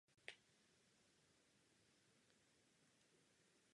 Pak sloužila v britské armádě.